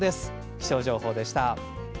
気象情報でした。